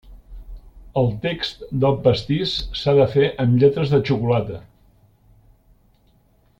El text del pastís s'ha de fer amb lletres de xocolata.